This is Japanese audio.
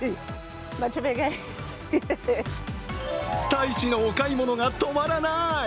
大使のお買い物が止まらない！